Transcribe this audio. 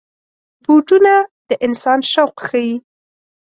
بوټونه د انسان شوق ښيي.